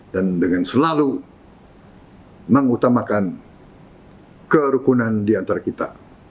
dan dengan selalu mengutamakan kerukunan diantara kita